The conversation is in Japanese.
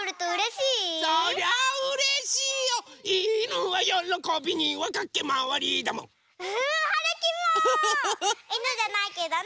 いぬじゃないけどね。